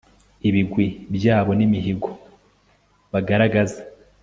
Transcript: ibigwi byabo n'imihigo bagaragaza